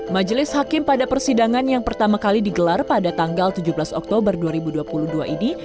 majelis hakim pada persidangan yang pertama kali digelar pada tanggal tujuh belas oktober dua ribu dua puluh dua ini